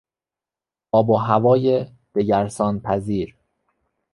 آب و هوای دگرسانپذیر